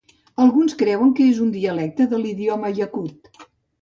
Alguns creuen que és un dialecte de l'idioma iacut.